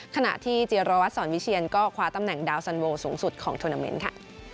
ขณะที่จิรวัตรสอนวิเชียนก็คว้าตำแหน่งดาวสันโวสูงสุดของทวนาเมนต์ค่ะ